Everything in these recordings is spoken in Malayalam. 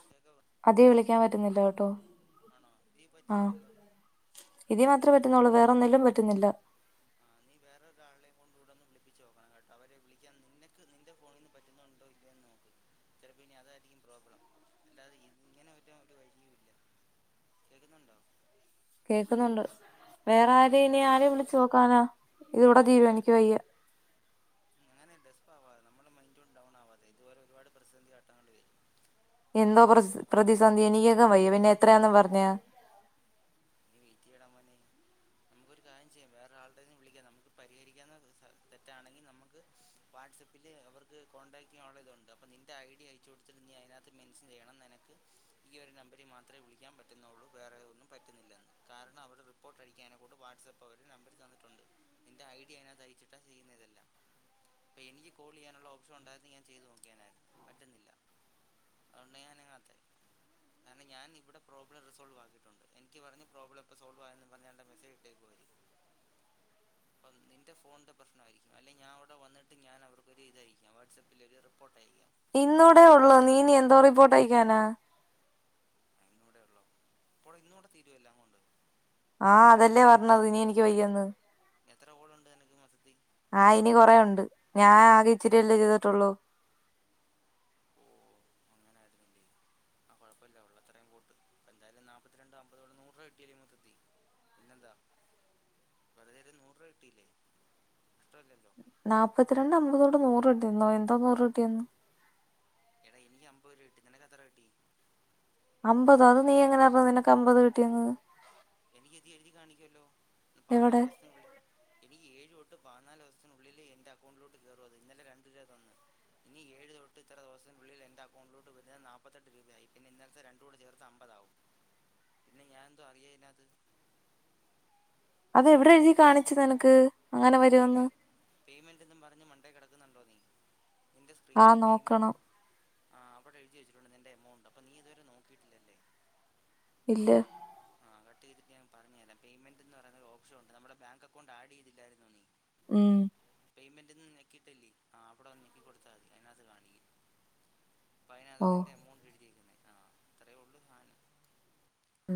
ഓക്കെക്കെ അതേയ് വിളിക്കാന് പറ്റുന്നില്ല കേട്ടോ ആണോ നീ ആഹ് പറ്റുന്നുണ്ടല്ലോ ഇപ്പൊ ഇതേ ഓക്കെ മാത്രേ അല്ലേ പറ്റുന്നുള്ളൂ വേറെ ഒന്നിലും പറ്റുന്നില്ല ആ നീ വേറെ ഒരാളെ കൊണ്ട് ഇവിടെ ഒന്ന് വിളിപ്പിച്ച് കേട്ടോ അവരെ വിളിക്കാൻ നിനക്ക് നിന്റെ ഫോണിൽ നിന്ന് പറ്റുന്നുണ്ടോ ഇല്ലയൊന്നു നോക്ക് ചിലപ്പോ ഇനി അതായിരിക്കും പ്രോബ്ലം അല്ലാതെ ഇങ്ങനെ പറ്റാൻ ഒരു വഴിയുമില്ല കേക്കുന്നുണ്ടോ കേക്കുന്നുണ്ട് വേറെ ആരെ ഇനി ആരെ വിളിച്ച് നോക്കാനാ ഇതുവിടെ തീരുംഎനിക്ക് വയ്യ മ് അങ്ങനെ ഡെസ്പാവാതെ നമ്മള് മൈന്റു കൊണ്ട് ഡൌൺ ആവാതെ ഇതുപോലെ ഒരുപാട് പ്രതിസന്ധി ഘട്ടങ്ങള് വരും അപ്പൊ എന്തോ നമ്മൾ പ്രത്സ് അതുകൊണ്ട് പ്രതിസന്ധി എനിക്കക്കെ വയ്യ പിന്നെ എത്രയാന്നും പറഞ്ഞാ നീ വെയിറ്റ്യ്യടാ മോനെ നമുക്കൊരു കാര്യം ചെയ്യാം വേറെ ആളുടെകൈന്ന് വിളിക്കാം നമുക്ക് പരിഹരിക്കാവുന്ന സ തെറ്റാണെങ്കിൽ നമുക്ക് വാട് വാട്സ്അപ്പില് അവർക്ക് കോൺടാക്ട് ചെയ്യോള്ള ഇതൊണ്ട് അപ്പം നിന്റെ ഐ ഡി അയച്ച് കൊടുത്തിട്ട് നീ അയിനാത്ത് മെൻശൻ ചെയ്യണം നെനക്ക് ഈ ഒരു നമ്പരീ മാത്രേ വിളിക്കാം പറ്റുന്നൊള്ളൂ വേറെ ഒന്നും പറ്റുന്നില്ലന്ന് കാരണം അവടെ റിപ്പോർട്ട് അടിക്കാനെ കൊണ്ട് വാട്സ്അപ്പ് അവര് നമ്പര് തന്നിട്ടൊണ്ട് നിന്റെ ഐ ഡി അയിനാത്ത് അയിച്ചിട്ടാ ചെയ്യുന്നേ എനിക്ക് കോൾ എയ്യാനുള്ള ഓപ്ഷൻ ഒണ്ടാരുന്നെങ്കി ഞാൻ ചെയ്ത് നോക്കിയേനാരുന്നു പറ്റുന്നില്ല അതുകൊണ്ട് ഞാ അനങ്ങാത്തെ കാരണം ഞാൻ ഇവിടെ പ്രോബ്ലം റിസോൾവ് ആക്കിട്ടൊണ്ട് എനിക്ക് പറഞ്ഞ് പ്രോബ്ലം ഇപ്പൊ സോൾവ് ആയന്നും പറഞ്ഞാണ്ട മെസ്സേജ് ഇട്ടേക്കുവാ ഇവര്‌ പ്പത് നിന്റെ ഫോൺന്റെ പ്രശ്നമായിരിക്കും അല്ലേ ഞാ അവിടെ വന്നിട്ട് ഞാൻ അവർക്കൊരു ഇതയ്ക്കാം വാട്സപ്പിൽ ഒരു റിപ്പോ ഇന്നൂടേ ഒള്ളൂ നീ ഇനി എന്തോ റിപ്പോർട്ട് അയക്കാനാ ഇന്നൂടെ ഒള്ളോ ഇപ്പോടെ ഇന്നോണ്ട് തീരുവ എല്ലാം കൊണ്ട് ആഹ് അതല്ലേ പർന്നത് ഇനി എനിക്ക് വയ്യന്ന് എത്ര കോളുണ്ട് നിനക്ക് മെത്തത്തിൽ ആഹ് ഇനി കൊറേയൊണ്ട് ഞാൻ ആകെ ഇച്ചിരിയല്ലേ ചെയ്തിട്ടൊള്ളൂ ഓ അങ്ങനെ ആയിരുന്നില്ലേ ആ കൊഴപ്പല്ല ഒള്ളത്രയും പോട്ട് അപ്പ എന്താലും നാപ്പത്തിരണ്ട് അമ്പത് കൊണ്ട് നൂറ്വ കിട്ടിയലേ മൊത്തത്തി പിന്നെന്താ വെറുതെരു നൂറ് രൂവ കിട്ടിയില്ലേ കഷ്ടവല്ലേ നാപ്പത്തിരണ്ട് അമ്പതോണ്ട് നൂറ് കിട്ടീന്നോ എന്തോ നൂറ് കിട്ടിന്നു എടാ എനിക്ക് അമ്പരൂഅ കിട്ടി നിനക്ക് എത്ര കിട്ടീ അമ്പതോ അത് നീ എങ്ങനെ അറ് നിനക്ക് അമ്പത് കിട്ടിയെന്ന് എനിക്ക് ഇതി എഴുതി കാണിക്കുവല്ലോ പതിനാല് എവിടെ ഓസത്തിനുള്ളിൽ എനിക്ക് ഏഴ് ഴ്‌ തൊട്ട് പാനാല് ഒവസത്തിനുള്ളില് എന്റ അക്കൗണ്ടിലോട്ട് കറും അത്‌ ഇന്നലെ രണ്ട് ര്വ തന്ന് ഇനി ഏഴ് തൊട്ട് ഇത്ര തൊ ഒസിനുള്ളില് എന്റ അക്കൗണ്ടിലോട്ട് വരുന്നത് നാപ്പത്തെട്ട് രൂപയായി പിന്നെ ഇന്നലത്തെ രണ്ടൂടെ ചേർത്ത് അമ്പതാവും പിന്നെ ഞാൻ എന്ത്വ അറിയേല്ലാ അത് നിനക്കും എവിടെ എഴുതി വന്നില്ലേ കാണിച്ച് നെനക്ക് അങ്ങനെ വരുവന്ന് ഇത് കണ്ടോ നീ ആഹ് നോക്കണം ആഹ് അവിടെ എഴുതി വെച്ചിട്ടൊണ്ട് നിന്റെ എമൗണ്ട് അപ്പം നീ ഇതുവരെ നോക്കിയിട്ടില്ലല്ലേ ഇല്ലാ ആ അങ്ങത്ത് ചെയ്തിട്ട് ഞാൻ പറഞ്ഞ് അരാം പേയ്മെന്റ്ന്ന് പറയുന്ന ഒരു ഓപ്ഷൻ ഒണ്ട് നമ്മുടെ ബാങ്ക് അക്കൗണ്ട് ആഡ് ചെയ്തില്ലാരുന്നോ നീ ഉം പേയ്മെന്റ്ന്നും നിനക്കിയിട്ടല്ലേ ആ അവിടൊന്ന് ഞെക്കി കൊടുത്താതി അയിനാത്ത് കാണിക്കും പ്പയിനകാ ഓ നിന്റെ എമൗണ്ട് എഴുതിയേക്കുന്നെ ആഹ് അത്രയേ ഒള്ളു സാനം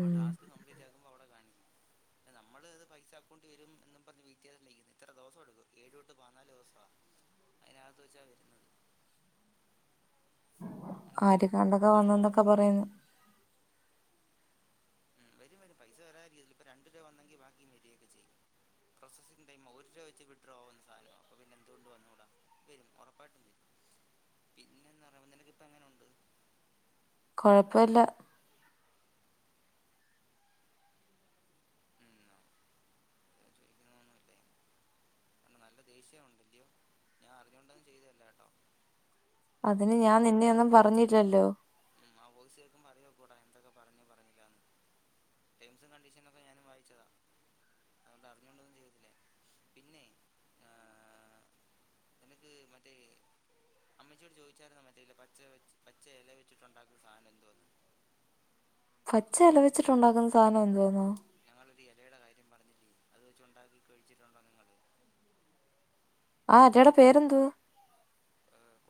പ ആ ടാസ്ക്ക് കംപ്ലീറ്റ് ആക്കുമ്പോ അവിടെ കാണിക്കും നമ്മള് അത് പൈസ അക്കോണ്ടി വെരും എന്നും പറഞ്ഞ് വീത്യാ [unintelligible] ഇത്ര ദോസം എടുക്കും ഏഴ് ഒട്ട് പാനാല് ഓസാ അയിനാത്ത് വെച്ചാ വെരുന്നത് മനസ്സിലായോ ആര്ക്കാണ്ടക്കെ ഇവിടെ ഡൗൺ ആവാൻ വന്നന്നൊക്കെ നിൽക്കണ്ട പറയുന്നു ഉം വരും വരും പൈസ വരാതിരികതില് ഇപ്പ രണ്ടു ര്വ വന്നെങ്കി ബാക്കി ഇനി വരികയക്കെ ചെയ്യും പ്രൊസസ്സിഗ് ടൈംമ ഒരു ര്വ വെച്ച് വിഡ്രോ ആവുന്ന സാനവാ അപ്പ പിന്നെ എന്തുകൊണ്ട് വന്നുകൂടാ വെരും ഒറപ്പായിട്ടും വെരും പിന്നെന്നറയുമ്പം നിനക്ക് ഇപ്പ എങ്ങനൊണ്ട് കൊഴപ്പ ഇല്ല ഉം ന്ന് നല്ല ദേഷ്യം ഒണ്ടല്ലിയോ ഞാ അറിഞ്ഞോണ്ടൊന്ന് ചെയ്തയല്ല കേട്ടോ ആ അതിന് വോയിസ് ഞാ നിന്നെ കേട്ടപ്പോഴേ ഒന്നും പറഞ്ഞില്ലല്ലോ ഉം ആ വോയിസ് കേക്കുമ്പ അറിയാ ഒക്കൂടാ എന്തക്കെ പറഞ്ഞൂ പറഞ്ഞില്ലാന്ന് ടേംസും കണ്ടീഷനൊക്കെ ഞാനും വായിച്ചതാ അഓണ്ട് അറിഞ്ഞോണ്ടൊന്നും ചെയ്ത്തില്ലേ ഞാൻ പിന്നേ എനക്ക് മറ്റേ അമ്മച്ചിയോട് ചോദിച്ചായിരുന്നോ മറ്റേ ല പച്ചവെച്ച് പച്ച ഇല വെച്ചിട്ടുണ്ടാകുന്ന സാധനം എന്തുവാന്ന് [unintelligible] പച്ച ഇല വെച്ചിട്ടുണ്ടാക്കുന്ന സാധനം എന്തുവാന്നോ മ്മളൊരു ഇലയുടെ കാര്യം പറഞ്ഞില്ലേ അത് വെച്ചുണ്ടാക്കി കഴിച്ചിട്ടുണ്ടോ നിങ്ങള് ആ എലേടെ പേരെന്തുവാ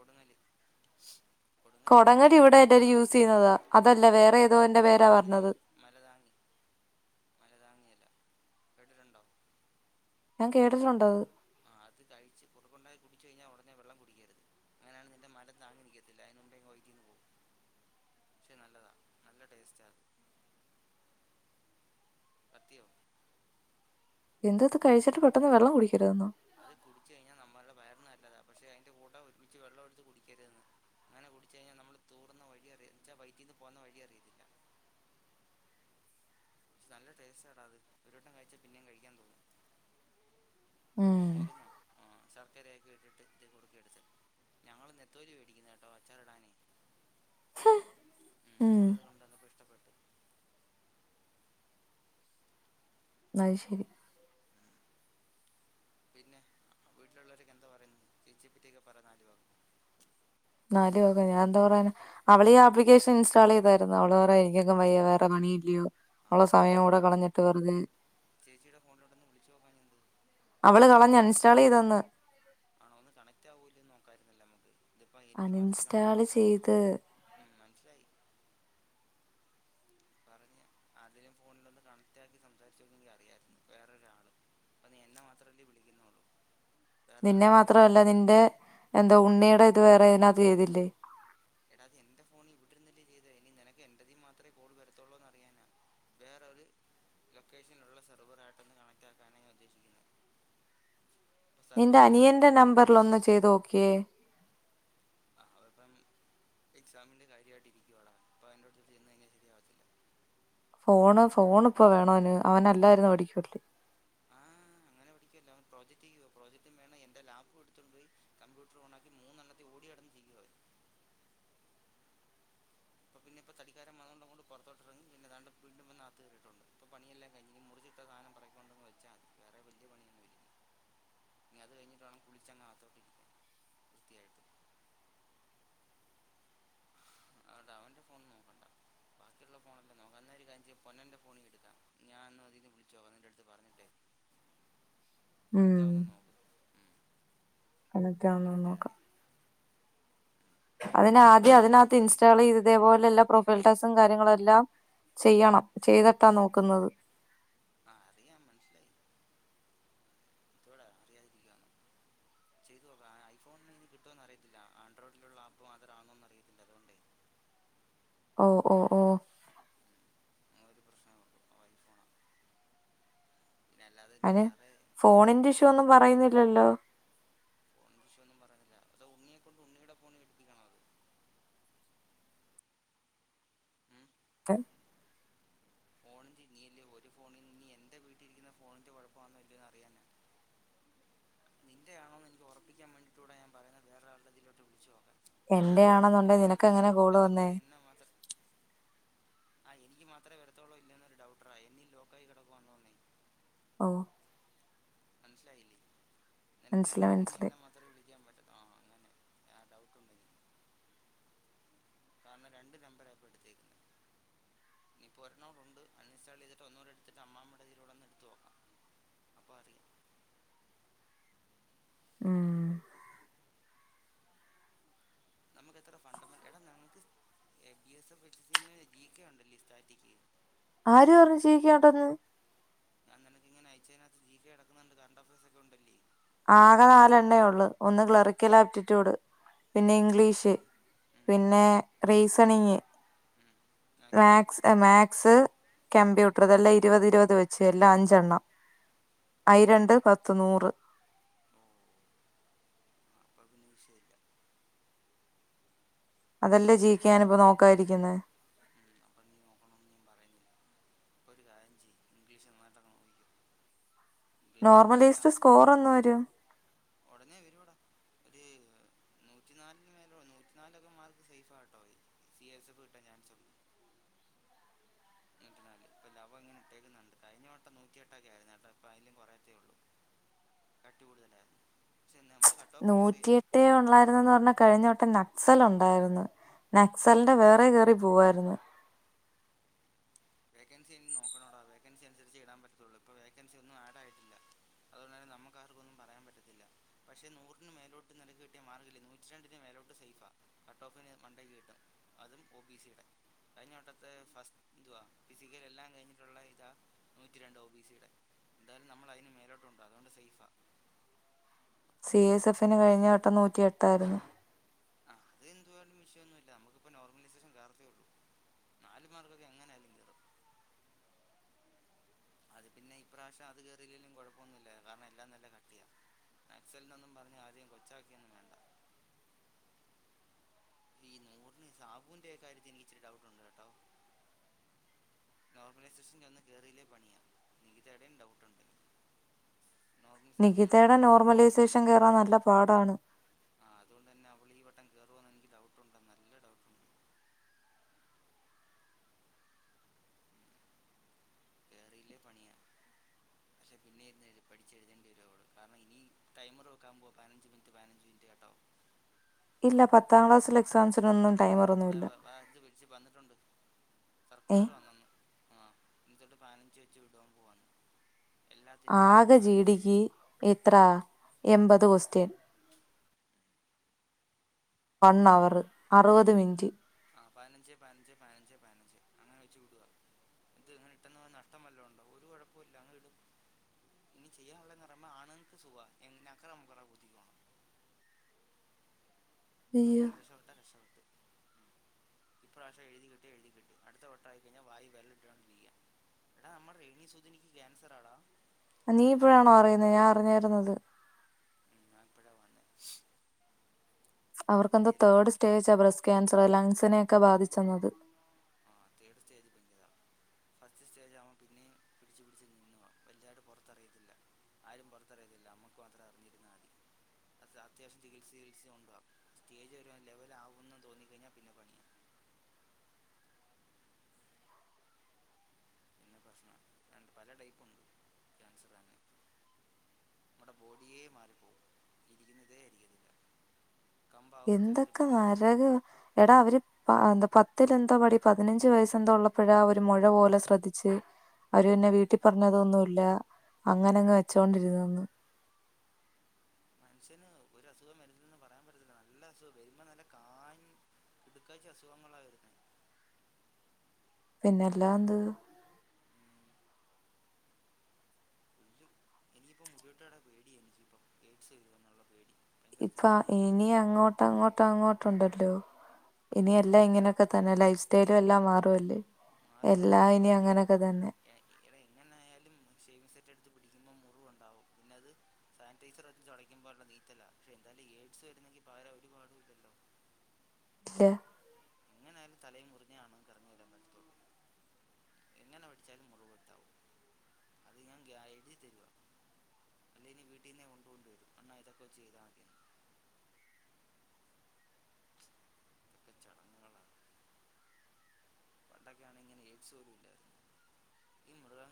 കൊടുങ്ങല് കൊടുങ്ങലല്ല കൊടങ്ങല് ഇവിടെ മ എല്ലാരും യൂസ് ചെയ്യുന്നതാ അത് അതല്ല തന്നെ മല വേറെ ഏതോൻ്റെ മ- പേരാ പറഞ്ഞത് മലതാങ്ങി [unintelligible] മലതാങ്ങി മലതാങ്ങിയില കേട്ടിട്ടുണ്ടോ ഞാൻ കേട്ടിട്ടുണ്ടത് ആ അത് കഴിച്ച് കുറുണ്ടായിക്കി കുടിച്ചു കഴിഞ്ഞാൽ ഉടനെ വെള്ളം കുടിക്കരുത് അങ്ങനെയാണേ നിന്റെ മലം താങ്ങി നിക്കത്തില്ല അതിന് മുമ്പേ വൈറ്റിന്ന് പോകും ഉ [unintelligible] ക്ഷേ നല്ലതാ നല്ല ടേസ്റ്റാ അത് കത്തിയോ എന്തത് കഴിച്ചിട്ട് പെട്ടെന്ന് വെള്ളം കുടിക്കരുതെന്നോ? അത് കുടിച്ചു കഴിഞ്ഞാ നമ്മളുടെ വയറിന് നല്ലതാ പക്ഷെ അതിന്റെ കൂട്ട ഒരുമിച്ച് വെള്ളം എടുത്ത് കുടിക്കരുതന്ന് അങ്ങനെ കുടിച്ച് കഴിഞ്ഞാൽ നമ്മള് തൂറുന്ന വഴി അറിയാ ന്ന് വെച്ചാ വൈറ്റീന്ന് പോന്ന വഴി അറിയത്തില്ല [unintelligible] ക്ഷേ നല്ല ടേസ്റ്റ് ടാ അത് ഒരു വട്ടം കഴിച്ചാ പിന്നെയും കഴിക്കാൻ തോന്നും ഉം കേക്കുന്നോ ആ ശർ ക്കരൊക്കെ ഇട്ടിട്ട് ഇത് കുറുക്കിയടിച്ചേ ഞങ്ങള് നേത്തോലി മേടിക്കുന്നുട്ടോ അച്ചാറിടാനേ ച്ചെ ഉം നിന്റേത് കൊണ്ടുവന്നപ്പോൾ ഇഷ്ടപ്പെട്ട് അത് ശരി പിന്നെ വീട്ടിലുള്ളോരൊക്കെ എന്തോ പറയുന്നു ചേച്ചിയേപ്പറ്റിയൊക്കെ പറ നാല് വാക്ക് നാല് വാക്കോ ഞാ എന്തോ പറയാനാ അവളീ ആപ്ലിക്കേഷൻ ഇൻസ്റ്റാള് ചെയ്തായിരുന്നു അവള് പറയാ എനിക്കേങ്ങും വയ്യ വേറെ പണി ല്ലയോ ആ അവളോ അപ്പൊ സമയം കൂടെ എളുപ്പമായി കളഞ്ഞിട്ട് വെറുതെ ചേച്ചിയുടെ ഫോണിലോടെ ഒന്ന് വിളിച്ചു നോക്കാഞ്ഞേ എന്ത് അവള് കളഞ്ഞ് കണക്റ്റാവും അൺഇൻസ്റ്റാൾ ചെയ്തന്ന് ആണോ ഒന്ന് കണക്റ്റാവുലേന്ന് നോക്കാരുന്നു അണിൻസ്റ്റാള് ചെയ്ത് ച്ചയ് [unintelligible] അതിലും ഫോണിലോന്ന് കണക്റ്റ് ആക്കി സംസാരിച്ചു നോക്കിങ്കി അറിയായിരുന്നു വേറൊരാള് ഇപ്പൊ നീ എന്നെ മാത്രമല്ലേ വിളിക്കുന്നോള്ളൂ? നിന്നെ മാത്രല്ല നിന്റെ എന്താ ഉണ്ണിയുടെ ഇത് വേറെ ഇതിനാത്ത് ചെയ്തില്ലേ എടാത് എന്റെ ഫോണി ഇവിടിരുന്നല്ലേ ചെയ്തേ ഇനി നിനക്ക് എന്റേതി മാത്രമേ കോൾ വരത്തുള്ളൂന്ന് അറിയാനാ വേറെരു ലൊക്കേഷനിലുള്ള സെർവർ ആട്ടൊന്ന് കണക്റ്റ ആക്കാനാണ് ഞാൻ ഉദ്ദേശിക്കുന്നത് അപ്പോൾ നിന്റെ സെർവറെല്ലാം അനിയൻ്റെ സെയിം നമ്പറിൽ ഒന്ന് ചെയ്ത് നോക്കിയേ ആ അപ്പം എക്സാമിന്റെ കാര്യമായിട്ട് ഇരിക്കുവാടാ വൻ അപ്പൊ അന്റെ അടുത്ത് ചെന്ന് അങ്ങ് ശരിയാവത്തില്ല ഫോണ് ഫോണിപ്പോ വേണോ അവന് അവനല്ലായിരുന്നു പടിക്കൂവല്ലേ അങ്ങനെഠിക്കുവല്ല അവൻ പ്രോജക്റ്റ് ചെയ്യുവ പ്രോജക്റ്റും വേണം എന്റെ ലാപ്പു എടുത്തോണ്ട് പോയി കമ്പ്യൂട്ടർ ഓണാക്കി മൂന്നെണ്ണത്തി ഓടി കിടന്ന് ചെയ്യുവോ അവൻ [unintelligible] [unintelligible] ഇപ്പൊ തടിക്കാര വന്ന കൊണ്ട് പുറത്തോട്ടറങ്ങി പിന്നെ താണ്ട് [unintelligible] ഇപ്പൊ പണിയെല്ലാം കയിഞ്ഞ് ഇനി കയിഞ്ഞ് മുറിച്ചട്ട സാനം ഇനി [unintelligible] ഇനി അത് കഴിഞ്ഞിട്ട് വേണം കുളിച്ചങ്ങ അത്തോട്ടിരിക്കാൻ വൃത്തിയായിട്ട് അതുകൊണ്ട് അവൻ്റെ ഫോൺ നോക്കണ്ട [inaudible] ബാക്കിയുള്ള ഫോണല്ലേ നോക്കാം ന്നാ ഒരു കാര്യം ചെയ്യ്‌ പൊന്നെന്റെ ഫോണി എടുക്കാം ഞാൻന്ന് അതിന്ന് വിളിച്ചോക്ക ന്നിട്ട് എടുത്ത് പറഞ്ഞിട്ടേ [inaudible] കണക്റ്റാവുന്നോ നോക്ക് നമ്പർ കണക്റ്റാവുന്നെ ഇട്ടേരാ നോക്കാ ഞാൻ അതിന് ആദ്യം അതിനകത്ത് അവൻ്റെ ഇൻസ്റ്റാൾ ഐഫോണാ ചെയ്ത് ഇതേപോലെ എല്ല പ്രൊഫൈൽ ടാസ് ക്കും കാര്യങ്ങളും എല്ലാം ചെയ്യണം ചെയ്തിട്ടാ നോക്കുന്നത്. ആ അറിയാം മനസ്സിലായി. ഇതോടെ അറിയാതിരിക്കുകയാണോ [inaudible] ചെയ്തു നോക്കാം ഐഫോൺ ഇനി കിട്ടോന്ന് അറിയത്തില്ല ആൻഡ്രോയിഡിലുള്ള ആപ്പ് മാത്ത റാണോന്ന് അറിയത്തില്ല അതുകൊണ്ടേ ഓ ഓ ഓ അങ്ങന ഒരു പ്രശ്നേ ഉള്ളു അ ഐഫോണാ പിന്നെ അല്ലാതെ ഇനി അയ്ന് വേറെ ഫോണിന്റെ ഇഷ്യൂ ഒന്നും പറയുന്നില്ലല്ലോ ഫോണിന്റെ ഇഷ്യോ ഒന്നും പറയുന്നില്ല അതോ ഉണ്ണിയെ കൊണ്ട് ഉണ്ണിയുടെ ഫോണ് എടുപ്പിക്കണോ അത് [unintelligible] [inaudible] ഇനിയല് ഒരു ഫോണിൽ ഇനി എന്റെ വീട്ടിലിരിക്കുന്ന ഫോണിന്റെ കൊഴപ്പാണല്ലയന്ന് അറിയാനാ നിന്റെയാണോന്ന് എനിക്ക് ഉറപ്പിക്കാൻ വേണ്ടിട്ടൂടെ ഞാൻ പറുന്നത് വേറെ ഒരാളുടെ ഇതിലോട്ട് വിളിച്ചോ എന്റെയാണെന്നുണ്ടെ നിനക്ക് എങ്ങനെ കോള് നിൻ്റെ വന്നേ ആഹ് എനിക്ക് മാത്രേ വരത്തോള്ളൂ ഇല്ലന്നെരു ഡൗട്ടറാ എന്നീ ലോക്കായി കെടക്കുവാന്ന് തോന്നേ ഓ മനസ്സിലായില്ലേ നിനക്ക് മനസ്സിലായി ഇതിന്ന് മനസ്സിലായി എന്നെ മാത്രേ വിളിക്കാൻ പറ്റ ആഹ അങ്ങനെ ആ ഡൗട്ട്ണ്ട കാരണം രണ്ടു നമ്പരാ ഇപ്പൊ എടുത്തേക്കുന്ന ഇനിയിപ്പോ ഒരണ്ണോ ഉണ്ട് അൺ ഇൻസ്റ്റാൾ ചെയ്തിട്ട് ഒന്നോടെ എടുത്തിട്ട് അമ്മാമ്മയുടെ ഇതിലൂടെ ഒന്ന് എടുത്ത് നോക്കാം അപ്പാ അറിയാം. ഉം ഉം നമുക്ക് എത്ര ഫണ്ടമെന്റ് എടാ ങ്ങക്ക് [unintelligible] ജി കെ ഉണ്ടല്ലേ സ്റ്റാറ്റിക്ക് ആര് പറഞ്ഞഞ് ജികെ ഒണ്ട് ന്ന് ഞാൻ നിനക്ക് ഇങ്ങനെ അയച്ചതിനകത്ത് ജീ കെ കടക്കുന്നുണ്ട് [unintelligible] ഒക്കെ ഉണ്ടല്ലേ ആകെ നാലെണ്ണയള്ളു ഒന്ന് ക്ലറിക്കൽ ആപ്റ്റിറ്റ്യൂഡ് പിന്നെ ഉം ഇംഗ്ലീഷ് ഉം പിന്നെ റീസണിങ് ഉം maths max max computer അപ ഇതെല്ലാം ഇരുപത് ഇരുപത് വെച്ച് എല്ലാം അഞ്ചെണ്ണം ആയിരണ്ട് പത്തു നൂറു പ്പത്തൊന്നും വിഷയല്ല അതല്ലേ ഇനി ജികെ ഞാനിപ്പോ നോക്കാ ഇരിക്കുന്നേ ഉം അപ്പം നീ നോക്കണമന്ന് ഞാൻ പറയുന്നില്ല ഒരു കാര്യം ചെയ ഇംഗ്ലീഷ് നന്നായി ട്ടൊക്കെ നോക്കി നോർമലൈസ്ഡ് സ്കോർ എന്ന് വരും ഒടനേ വരും ടാ ഒര് നൂറ്റിനാലിന് മേല നൂറ്റി നാലൊക്കെ മാർക്ക് സേഫ കേട്ടോ സിസ് എഫ് കിട്ടാൻ ചാൻസ്ണ്ട്. [unintelligible] [unintelligible] ഇപ്പ ലവം ഇങ്ങനെ ഇട്ടേക്കുന്നുണ്ട് കഴിഞ്ഞവട്ടം നൂറ്റിയെട്ടൊക്കെ ആയിരുന്നു കേട്ടോ അപ്പ അയിന്റേം കൊറയത്തേ ഉള്ളൂ കട്ട് കൂടുതല നമ്മൾ നൂറ്റിയെട്ട് ഉള്ളായിരുന്നന്ന് പറഞ്ഞാ കഴിഞ്ഞവട്ടെ ന നക്സൽ ഉണ്ടായിരുന്നു നക്സലിന്റെ വേറെ കേയറി പോവായിരുന്നു വേക്കൻസി ഇ നോക്കണോടാ വേക്കൻസി അനുസരിച്ച് ഇടാ പറ്റത്തുള്ള ഇപ്പൊ വേക്കൻസി ഒന്നും ആഡ് ആയിട്ടില്ല അതുകൊെ നമുക്ക്ാർക്കൊന്നും പറയാൻ പത്തില്ല പക്ഷെ നൂറിന് മേലോട്ട് നിലക്ക് കിട്ടിയ മാർഗമില്ല നൂറ്റി രണ്ടിന് ട്ട്ഓഫിന് മണ്ട കിട്ടും അതും ഒ ബി സിയുടെ കഴിഞ്ഞ വട്ടത്തെ ഫസ്റ്റ് ഇതുവാ ഫിസിക്കൽ എല്ലാം കഴിഞ്ഞിട്ടുള്ള ഇതാ നൂറ്റി രണ്ട് ഓ ബി സിയുടെ എന്തായാലും നമ്മൾ അതിന് മേലോട്ടുണ്ടോ അതുകൊണ്ട് സേഫാ സി എസ് എഫിന് കഴിഞ്ഞ വെട്ടം നൂറ്റിയെട്ടായിരുന്നു ആ അത് എന്തുവാലും വിഷയൊന്നു ഇല്ല നമ്മുക്കിപ്പ നോർമലൈസേഷൻ കേറത്തേ ഒള്ളൂ നാല് മർക്ക് ഒക്കെ എങ്ങനേലും കേറും അത് പിന്നെ ഇപ്രാവശ്യം അത് കേറിലേലും കൊഴപ്പോന്നു ഇല്ല കാരണം എല്ലാം നല്ല കട്ടിയാ നക്സലിനൊന്നും പറഞ്ഞ് ആരേം കൊച്ചാക്കെയൊന്നും വേണ്ട [inaudible] ഈ നൂറിന് സാബുവിന്റെ കാര്യത്തി എനിക്കിച്ചിരി ഡൗട്ടുണ്ട് കേട്ടോ നോർമലൈസേസൻൊന്ന് കേറില്ലേ പണിയാ നിഖിതേടേം ഡൗട്ടുണ്ട് നോർമലൈസേഷൻ ഇരിക്കുക നിഖിതേടെ കളിയുള്ളൂ നോർമലൈസേഷൻ കേറാൻ നല്ല പാടാണ് ആ അതുകൊണ്ട് അന്നെ അവള് ഈ വട്ടം കേറുവോന്ന് എനിക്ക് ഡൗട്ടുണ്ട് നല്ല ഡൗട്ടുണ്ട് കേറിയില്ലേ പണിയാ പക്ഷെ പിന്നെ ഇര്ന്ന് എഴുതി പഠിച്ചെഴുതേണ്ടി വരും അവള് കാരണം ഇനി ടൈമറ് വെക്കാംമ്പൊ പൈനഞ്ച് മിനിറ്റ് പൈനഞ്ച് മിൻ ഇല്ല പത്താം ക്ലാസ്സിലെ എക്സാംസിനൊന്നും ടൈമറൊന്നുമില്ല. [unintelligible] ഏ സർക്കുലർ വന്നെന്ന് ആ ഇനിതൊട്ട് പൈനഞ്ച് വെച്ച് വിടുവാം പോവ്വാന്ന് ആകെ പിടിക്ക് എത്രാ എമ്പത് കൊസ്റ്റ്യൻ വൺ ഉം. അവറ് അറുവത് മിൻറ്റ് ആ പൈനഞ്ച് പൈനഞ്ച് പൈനഞ്ച് പൈനഞ്ച് അങ്ങനെ വെച്ച് വിട്വാ ഇത് ങ്ങനെ ഇട്ടെന്ന് വന്ന് നഷ്ടം വല്ലോണ്ടോ ഒരു കൊഴപ്പൊ ഇല്ല അങ്ങ് ഇടും ഇനി ചെയ്യാ ഒള്ളെ എന്ന് പറയുമ്പ ആണ്ങ്ങക്ക് സുഖവാ എങ്ങ നക്കറ മുഖറ ബുദ്ധിക്കോണം [inaudible] അയ്യോ അങ്ങനെ രക്ഷപ്പെട്ടാ രക്ഷപ്പെട്ട് ഉം [inaudible] ഇപ്രാവശ്യം എഴുതി കിട്ട്യാ എഴുതി കിട്ടി അടുത്തവട്ടായി കഴിഞ്ഞാ വായി വെരളിട്ടോണ്ടിരിക്കാം എടാ നമ്മടെ രേണി സുധിനിക്ക് ക്യാൻസറാഡാ നീ ഇപ്പോഴാണോ അറിയുന്നത് ഞാൻ അറിഞ്ഞാരുന്നത് ഞാം ഇപ്പഴാ വന്നേ അപ്പം അവർക്കെന്താ മുടിയെല്ലാം തേഡ് മു- സ്റ്റേജാ ബ്രസ് ക്യാൻസറ് ലങ്സിനെക്കെ ബാധിച്ചെന്നത് ആ തേടു സ്റ്റേജ് ബിൻഹ ഫസ്റ്റ് സ്റ്റേജാവാം പിന്നെയും പിടിച്ചു പിടിച്ച് നിന്ന്വാ വൽതായിട്ട് പൊറത്തറിയത്തില്ല ആരും പൊറത്തറിയ [unintelligible] ലമ്മക്ക് മാത്രം അറിഞ്ഞിരുന്നാ അതി അത് അത്യാവശ്യം ചികിത്സിചികിത്സി കൊണ്ട്വാം സ്റ്റേജ് ഒരു ലെവലാവു എന്ന് തോന്നി കഴിഞ്ഞാ പിന്നെ പണിയാ [inaudible] പിന്നെ ഭസ്മ രണ്ട് പല ടൈപ്പുണ്ട് ക്യാൻസറ് അന്നെ നമ്മുടെ ബോഡിയേ മാലിപ്പോകും ഇരിക്കുന്നതേ ഇരിക്കുന്നില്ല എന്തൊക്കെ നരക് എടാ അവര് പ എന്താ പത്തിലെന്താ പഠി പതിനഞ്ച് വയസ്സെന്തോ ഒള്ളപ്പോഴാ ഒരു മൊഴ പോലെ ശ്രദ്ധിച്ച് അവര പിന്നെ വീട്ടി പറഞ്ഞതൊന്നു ഇല്ല അങ്ങന അങ്ങ് വെച്ചോണ്ടിരുന്നെന്ന് മനുഷ്യന് ഒരു അസുഖം വരുന്നെന്ന് പറയാം പറ്റത്തില്ല നല്ല അസുഖം വരുമ്പോ നല്ല കാ കിടുക്കാച്ചി അസുഖങ്ങളാ വരുന്നെ [inaudible] പിന്നല്ലാ എന്ത് ഉല്ല് ഇനിയിപ്പ മുടിവെട്ട് കടെ പേടിയാ എനിക്കിപ്പം എയ്ഡ്സ് വരുവോന്നൊള്ള പേടി [unintelligible] ഇപ്പ ടെൻഷനാണ് ഇനി അങ്ങോട്ടങ്ങോട്ടങ്ങോ ഉണ്ടല്ലേ ഇനി എല്ലാം ഇങ്ങനൊക്കെ തന്നെ ലൈഫ് സ്റ്റൈല് എല്ലാം മാറുവല്ലേ മാറിയെടാ എല്ലാ ഇപ്പം ഇനി എനിക്ക് അങ്ങനക്ക തന്നെ എ- എടാ എങ്ങനെ മുറിവൊണ്ടാവും പിന്നത് സാനിറ്റൈസറ് വച്ച് തൊടക്കുമ്പോള്ള നീറ്റലാ പക്ഷെ എന്താലും എയ്ഡ്സ് വരുന്നെങ്കി പകരവര് [unintelligible] ഇല്ല എങ്ങനായാലും തലയും മുറിഞ്ഞാണും കറങ്ങി വരാൻ പറ്റത്തോള്ളൂ [unintelligible] എങ്ങനെ പഠിച്ചാലും മുറിവെടുത്താവൂ അത് ഞാൻ ഗ്യാരണ്ടി തരുവാ [unintelligible] അല്ലേനി വീട്ടീന്നെ കൊണ്ട് കൊണ്ട് വരും അണ്ണ ഇതൊക്കെ ചെയ്താൽ മതിരുന്നു [unintelligible] ഇതൊക്കെ പണ്ടൊക്കെയാണ് ഇങ്ങനെ എയ്ഡ്സ് പോലും ഇല്ലായിരുന്നു ഈ മൃഗ [unintelligible]